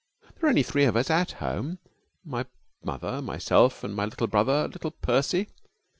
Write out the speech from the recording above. There are only three of us at home: my mother, myself, and my little brother little Percy.'